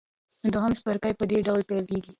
دویم څپرکی په دې ډول پیل کیږي.